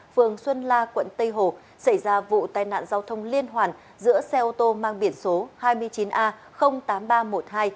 phường xuân la quận tây hồ xảy ra vụ tai nạn giao thông liên hoàn giữa xe ô tô mang biển số hai mươi chín a tám nghìn ba trăm một mươi hai